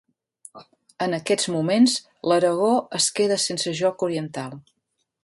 En aquests moments, l'Aragó es queda sense joc oriental.